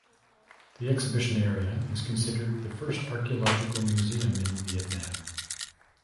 The exhibition area is considered the first archaeological museum in Vietnam.